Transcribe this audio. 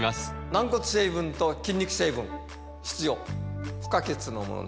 軟骨成分と筋肉成分必要不可欠のものです